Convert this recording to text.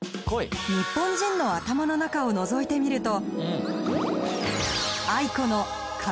ニッポン人の頭の中をのぞいてみると